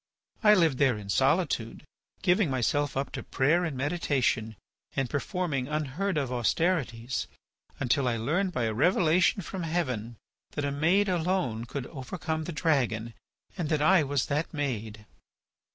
I lived there in solitude, giving myself up to prayer and meditation, and performing unheard of austerities, until I learnt by a revelation from heaven that a maid alone could overcome the dragon, and that I was that maid."